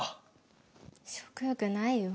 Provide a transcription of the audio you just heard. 食欲ないよ。